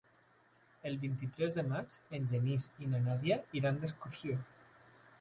El vint-i-tres de maig en Genís i na Nàdia iran d'excursió.